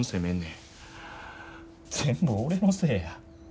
全部俺のせいや。